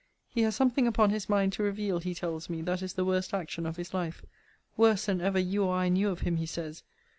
He has something upon his mind to reveal, he tells me, that is the worst action of his life; worse than ever you or I knew of him, he says.